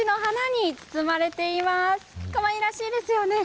かわいらしいですよね。